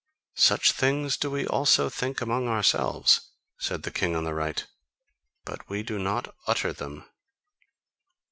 "Such things do we also think among ourselves," said the king on the right, "but we do not utter them."